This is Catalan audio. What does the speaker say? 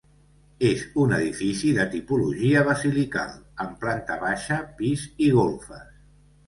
És un edifici de tipologia basilical, amb planta baixa, pis i golfes.